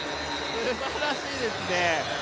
すばらしいですね。